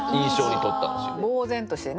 ぼう然としてね。